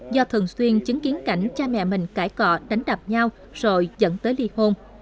do thường xuyên chứng kiến cảnh cha mẹ mình cải cọ đánh đập nhau rồi dẫn tới ly hôn